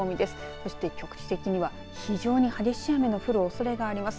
そして局地的には非常に激しい雨の降るおそれがあります。